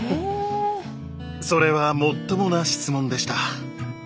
それはもっともな質問でした。